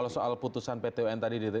kalau soal putusan pt un tadi ditegaskan apa